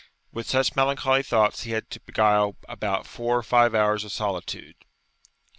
With such melancholy thoughts he had to beguile about four or five hours of solitude.